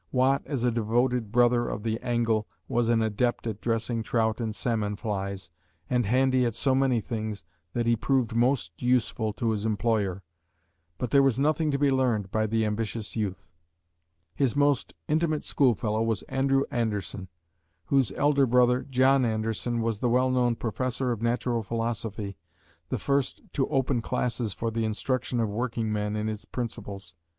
Watt, as a devoted brother of the angle, was an adept at dressing trout and salmon flies, and handy at so many things that he proved most useful to his employer, but there was nothing to be learned by the ambitious youth. His most intimate schoolfellow was Andrew Anderson, whose elder brother, John Anderson, was the well known Professor of natural philosophy, the first to open classes for the instruction of working men in its principles.